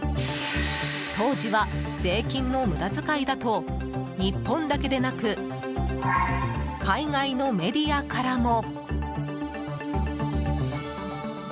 当時は税金の無駄遣いだと日本だけでなく海外のメディアからも。